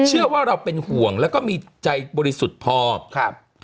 เชื่อว่าเราเป็นห่วงแล้วก็มีใจบริสุทธิ์พอครับ